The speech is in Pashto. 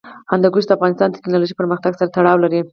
هندوکش د افغانستان د تکنالوژۍ پرمختګ سره تړاو لري.